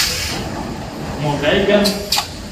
Могай гын?